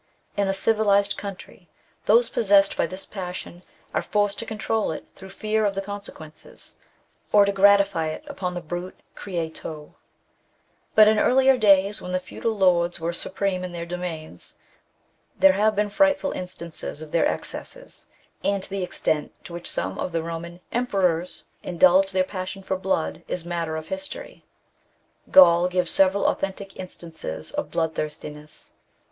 In a civilized country those pos sessed by this passion are forced to control it through fear of the consequences, or to gratify it upon the brute creation. But in earlier days, when feudal lords were supreme in their domains, there have been frightful instances of their excesses, and the extent to which some of the Boman emperors indulged their passion for blood is matter of histor}\ Gall gives several authentic instances of blood thirstiness.